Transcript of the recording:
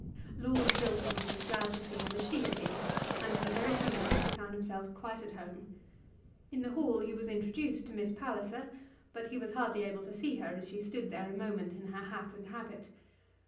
Lord Chiltern was as glad to see him as she had been, and in a very few minutes he found himself quite at home. In the hall he was introduced to Miss Palliser, but he was hardly able to see her as she stood there a moment in her hat and habit.